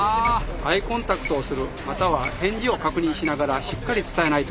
アイコンタクトをするまたは返事を確認しながらしっかり伝えないと。